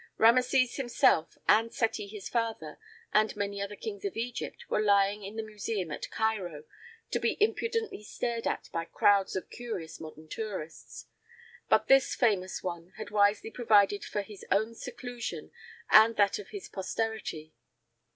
Rameses himself, and Seti his father, and many other kings of Egypt were lying in the museum at Cairo, to be impudently stared at by crowds of curious modern tourists; but this famous one had wisely provided for his own seclusion and that of his posterity.